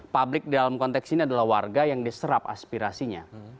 publik dalam konteks ini adalah warga yang diserap aspirasinya